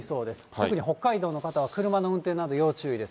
特に北海道の方は、車の運転など、要注意です。